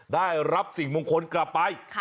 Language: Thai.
ได้รับสิ่งมงคลกลับไป